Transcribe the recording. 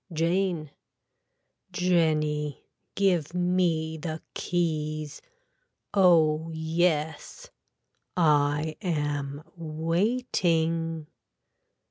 (Jane.) Jenny give me the keys. Oh yes. I am waiting.